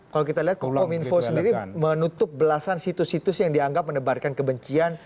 kalau kita lihat kominfo sendiri menutup belasan situs situs yang dianggap mendebarkan kebencian